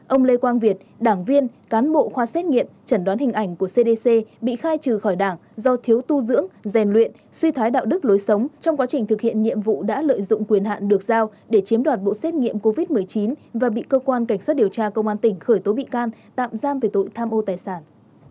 ông lê quang việt đảng viên cán bộ khoa xét nghiệm chẩn đoán hình ảnh của cdc bị khai trừ khỏi đảng do thiếu tu dưỡng rèn luyện suy thoái đạo đức lối sống trong quá trình thực hiện nhiệm vụ đã lợi dụng quyền hạn được giao để chiếm đoạt bộ xét nghiệm covid một mươi chín và bị cơ quan cảnh sát điều tra công an tỉnh khởi tố bị can tạm giam về tội tham ô tài sản